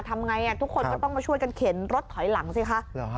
ทำไงทุกคนก็ต้องมาช่วยกันเข็นรถถอยหลังสิคะ